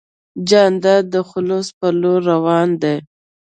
جانداد د خلوص په لور روان دی.